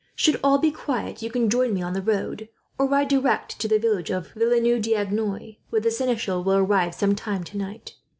"Should all be quiet, you can join me on the road; or ride direct to the village of Villeneuve d'Agenois, where the seneschal will arrive, some time tonight.